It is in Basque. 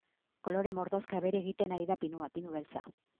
Kolore mordoxka bere egiten ari da pinua, pinu beltza.